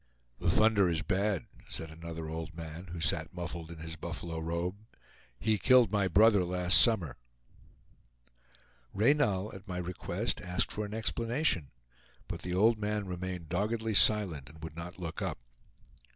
"The thunder is bad," said another old man, who sat muffled in his buffalo robe; "he killed my brother last summer." Reynal, at my request, asked for an explanation; but the old man remained doggedly silent, and would not look up.